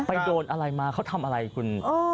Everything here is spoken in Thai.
ไปโดนอะไรมาเขาทำอะไรกัน